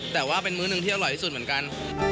แต่ว่าเป็นมื้อหนึ่งที่อร่อยที่สุดเหมือนกัน